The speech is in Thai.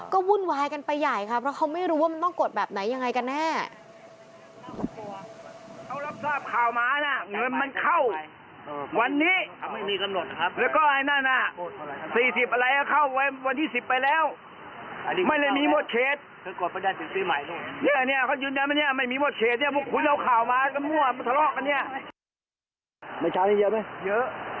ก็วุ่นวายกันไปใหญ่ค่ะเพราะเขาไม่รู้ว่ามันต้องกดแบบไหนยังไงกันแน่